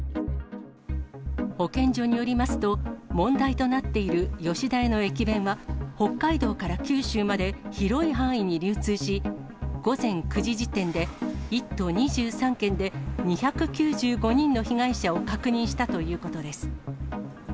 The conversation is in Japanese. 保健所によりますと、問題となっている吉田屋の駅弁は、北海道から九州まで広い範囲に流通し、午前９時時点で、１都２３県で２９５人の被害者を確認したということです。